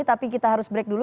tapi kita harus break dulu